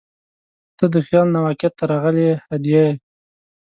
• ته د خیال نه واقعیت ته راغلې هدیه یې.